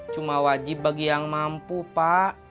cuma wajib bagi yang mampu pak